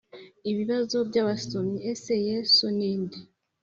Ibibazo by abasomyi Ese Yesu ni nde